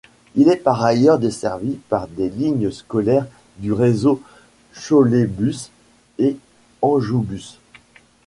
Il est par ailleurs desservi par des lignes scolaires du réseau Choletbus et Anjoubus.